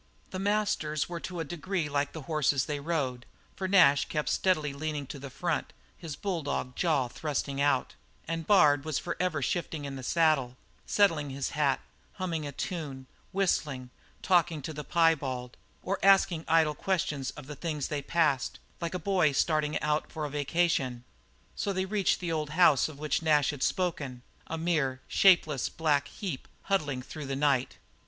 The masters were to a degree like the horses they rode, for Nash kept steadily leaning to the front, his bulldog jaw thrusting out; and Bard was forever shifting in the saddle, settling his hat, humming a tune, whistling, talking to the piebald, or asking idle questions of the things they passed, like a boy starting out for a vacation. So they reached the old house of which Nash had spoken a mere, shapeless, black heap huddling through the night.